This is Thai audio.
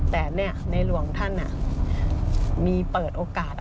แต่ในหลวงท่านมีเปิดโอกาส